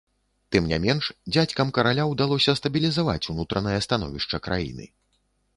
Тым не менш, дзядзькам караля ўдалося стабілізаваць унутранае становішча краіны.